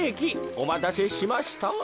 おまたせしました。